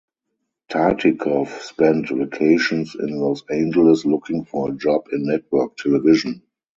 Tartikoff spent vacations in Los Angeles looking for a job in network television.